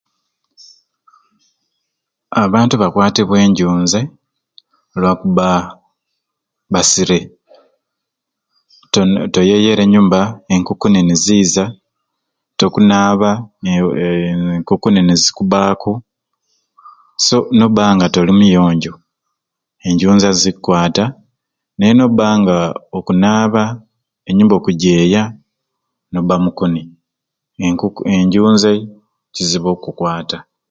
A bantu bakwatibwa enjunzai lwakubba basire toye toyeyere nyubba enkukuni niziiza, tokunaaba e ee enkukuni nizikubbaaku so nobba nga toli muyonjo enjunzai zikkwata naye nobba nga okunaaba, enyubba okujeeya nobba mukuni enkuku enjunzai kizibu okukwata.